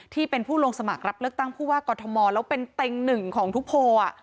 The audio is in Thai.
ที่เป็นผู้ลงสมัครรับเลือกตั้งผู้ว่ากอทมแล้วเป็นเต็งหนึ่งของทุกโพล